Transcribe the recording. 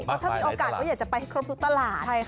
เพราะถ้ามีโอกาสก็อยากจะไปให้ครบทุกตลาด